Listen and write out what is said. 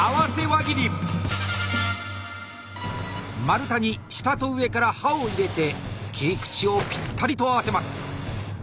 丸太に下と上から刃を入れて切り口をぴったりと合わせます。